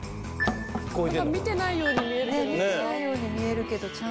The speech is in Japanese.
見てないように見えるけど。